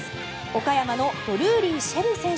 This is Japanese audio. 岡山のドルーリー朱瑛里選手